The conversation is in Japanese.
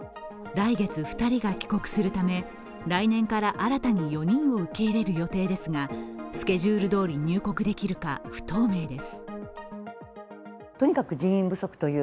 来月、２人が帰国するため、来年から新たに４人を受け入れる予定ですが、スケジュールどおり入国できるか不透明です。